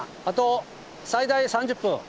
あと最大３０分。